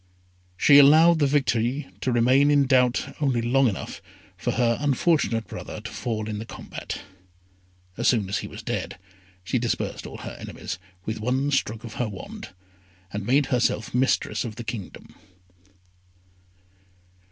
She allowed the victory to remain in doubt only long enough for her unfortunate brother to fall in the combat. As soon as he was dead, she dispersed all her enemies with one stroke of her wand, and made herself mistress of the kingdom.